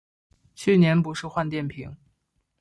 去年不是换电瓶